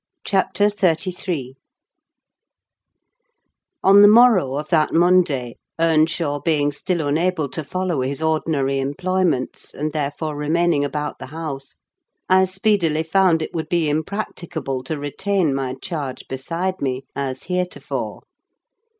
CHAPTER XXXIII On the morrow of that Monday, Earnshaw being still unable to follow his ordinary employments, and therefore remaining about the house, I speedily found it would be impracticable to retain my charge beside me, as heretofore.